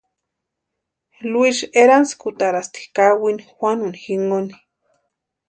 Luisï erantskutarasti kawini Juanu jinkoni.